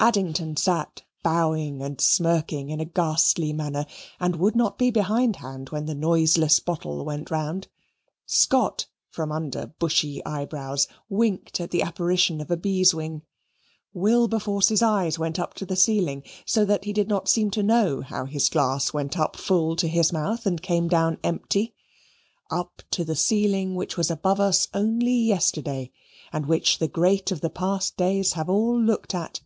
Addington sat bowing and smirking in a ghastly manner, and would not be behindhand when the noiseless bottle went round; Scott, from under bushy eyebrows, winked at the apparition of a beeswing; Wilberforce's eyes went up to the ceiling, so that he did not seem to know how his glass went up full to his mouth and came down empty; up to the ceiling which was above us only yesterday, and which the great of the past days have all looked at.